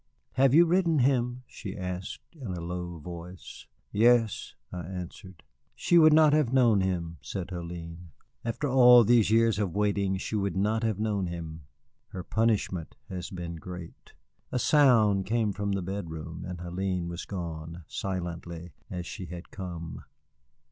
"Have you written him?" she asked in a low voice. "Yes," I answered. "She would not have known him," said Hélène; "after all these years of waiting she would not have known him. Her punishment has been great." A sound came from the bedroom, and Hélène was gone, silently, as she had come.